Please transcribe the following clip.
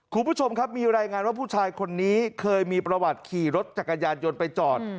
คุณผู้ชมครับมีรายงานว่าผู้ชายคนนี้เคยมีประวัติขี่รถจักรยานยนต์ไปจอด